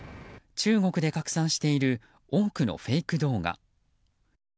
中国で拡散している多くのフェイク動画。